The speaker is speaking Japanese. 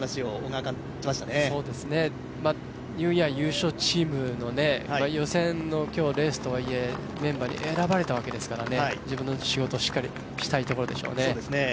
今日はニューイヤー優勝チームの予選のレースとはいえ、メンバーに選ばれたわけですから自分の仕事をしっかりしたいところでしょうね。